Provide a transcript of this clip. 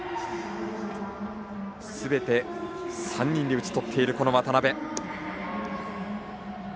すべて３人で打ち取っている渡邊。